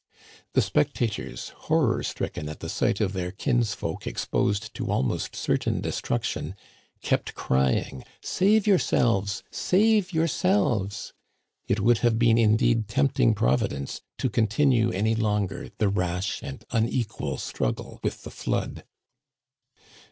The spectators, horror stricken at the sight of their kinsfolk exposed to almost certain destruction, kept cry ing :" Save yourselves ! save yourselves !*' It would have been indeed tempting Providence to continue any longer the rash and unequal struggle with the flood.